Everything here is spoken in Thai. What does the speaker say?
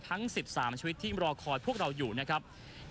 ทั้ง๑๓ชีวิตที่รอคอยพวกเราอยู่นะครับ